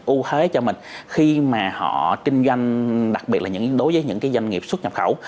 ưu thế cho mình khi mà họ kinh doanh đặc biệt là đối với những cái doanh nghiệp xuất nhập khẩu